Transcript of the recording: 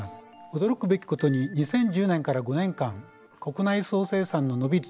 驚くべきことに２０１０年から５年間国内総生産の伸び率